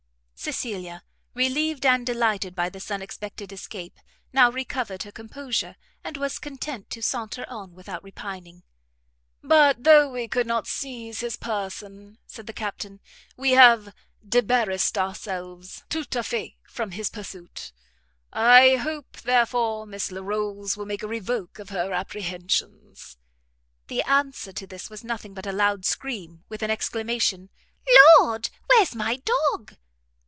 Cecilia, relieved and delighted by this unexpected escape, now recovered her composure, and was content to saunter on without repining. "But though we could not seize his person," said the Captain, "we have debarrassed ourselves tout à fait from his pursuit; I hope, therefore, Miss Larolles will make a revoke of her apprehensions." The answer to this was nothing but a loud scream, with an exclamation, "Lord, where's my dog?"